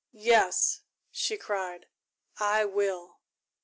"Yes," she cried, "I will!"